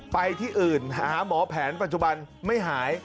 ไปที่อื่นหาหมอแผนปัจจุบันไม่หาย